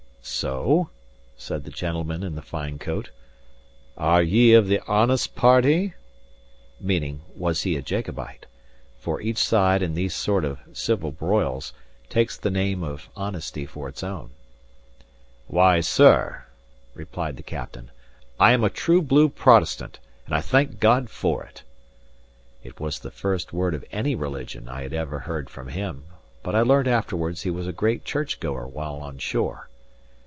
"So?" said the gentleman in the fine coat: "are ye of the honest party?" (meaning, Was he a Jacobite? for each side, in these sort of civil broils, takes the name of honesty for its own). "Why, sir," replied the captain, "I am a true blue Protestant, and I thank God for it." (It was the first word of any religion I had ever heard from him, but I learnt afterwards he was a great church goer while on shore.)